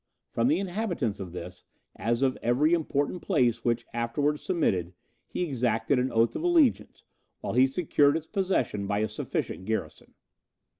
From the inhabitants of this, as of every important place which afterwards submitted, he exacted an oath of allegiance, while he secured its possession by a sufficient garrison.